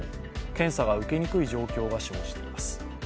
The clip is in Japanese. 検査が受けにくい状況が生じています。